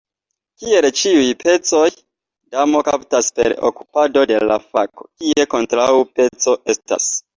Kiel ĉiuj pecoj, damo kaptas per okupado de la fako, kie kontraŭa peco estas.